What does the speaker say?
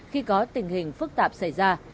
khi có tình hình phức tạp xảy ra